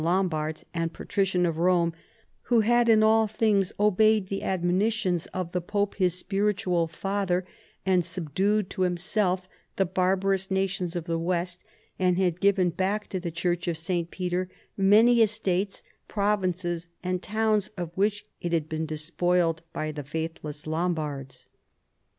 227 Lombards, and patrician of Rome, who had in all things obeyed the admonitions of the pope his spir itual fatlier, had subdued to himself the barbarous nations of the west, and had given back to the cliurch of St. Peter many estates, provinces, and towns, of which it had been despoiled by the faith less Lombards."